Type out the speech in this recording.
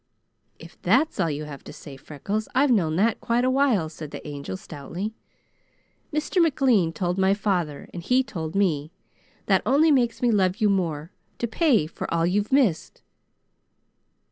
"If that's all you have to say, Freckles, I've known that quite a while," said the Angel stoutly. "Mr. McLean told my father, and he told me. That only makes me love you more, to pay for all you've missed."